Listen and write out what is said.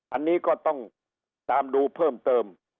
อันนี้ก็ต้องตามดูเพิ่มเติม